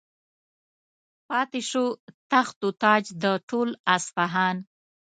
پاتې شو تخت و تاج د ټول اصفهان.